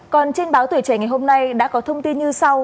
còn trên báo tuổi trẻ ngày hôm nay đã có thông tin như sau